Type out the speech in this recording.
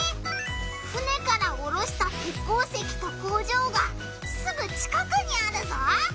船からおろした鉄鉱石と工場がすぐ近くにあるぞ！